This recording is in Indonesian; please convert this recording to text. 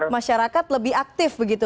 masyarakat lebih aktif begitu